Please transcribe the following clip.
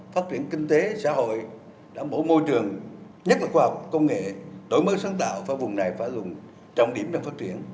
phát triển kinh tế xã hội đảm bảo môi trường nhất là khoa học công nghệ đổi mới sáng tạo và vùng này phải dùng trọng điểm để phát triển